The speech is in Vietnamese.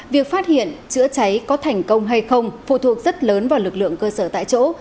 việc phát hiện chữa cháy có thành công hay không phụ thuộc rất lớn vào lực lượng cơ sở tại chỗ